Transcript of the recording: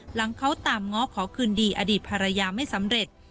หลังเขาตามง้อขอคืนดีอดีตภรรยาไม่สำเร็จ